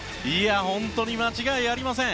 本当に間違いありません。